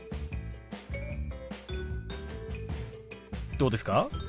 どうですか？